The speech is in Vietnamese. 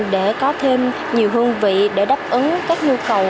để có thêm nhiều hương vị để đáp ứng các nhu cầu của khách hàng